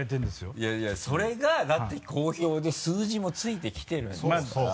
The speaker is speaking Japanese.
いやいやそれがだって好評で数字もついてきてるんですから。